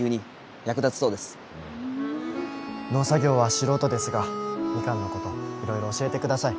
農作業は素人ですがみかんのこといろいろ教えてください。